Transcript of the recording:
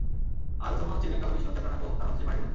আর Usama ছিলেন কালো-কৃষ্ণ, চ্যাপটা নাক ও তাঁর হাবশী মায়েরই মতো।